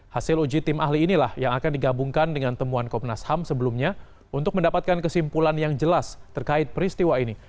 hasil uji tim ahli inilah yang akan digabungkan dengan temuan komnas ham sebelumnya untuk mendapatkan kesimpulan yang jelas terkait peristiwa ini